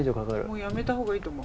やめた方がいいと思う。